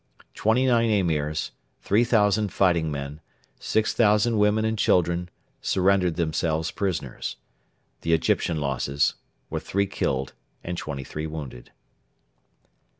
Twenty nine Emirs, 3,000 fighting men, 6,000 women and children surrendered themselves prisoners. The Egyptian losses were three killed and twenty three wounded.